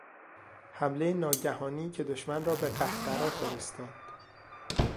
حملهی ناگهانی که دشمن را به قهقرا فرستاد